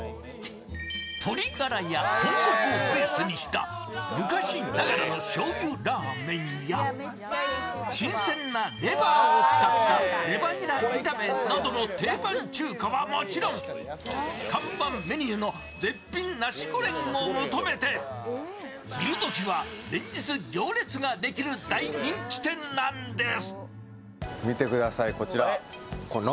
鶏ガラや豚足をベースにした昔ながらのしょうゆラーメンや新鮮なレバーを使ったレバニラ炒めなどの定番中華はもちろん看板メニューの絶品ナシゴレンを求めて、昼どきは連日行列ができる大人気店なんです。